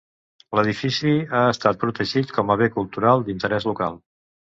L'edifici ha estat protegit com a bé cultural d'interès local.